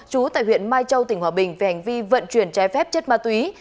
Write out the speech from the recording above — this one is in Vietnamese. chú tại huyện mai châu tỉnh hòa bình về hành vi vận chuyển trái phép chất ma túy